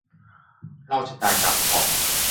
เล่าชะตากรรมของ